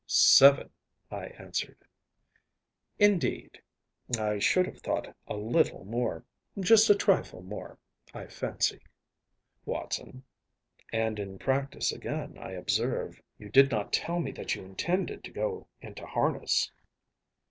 ‚ÄĚ ‚ÄúSeven!‚ÄĚ I answered. “Indeed, I should have thought a little more. Just a trifle more, I fancy, Watson. And in practice again, I observe. You did not tell me that you intended to go into harness.